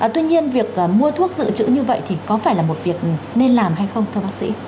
tuy nhiên việc mua thuốc dự trữ như vậy thì có phải là một việc nên làm hay không thưa bác sĩ